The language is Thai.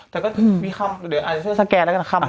แต่ก็มีคำเดี๋ยวสแกะแล้วก็คำ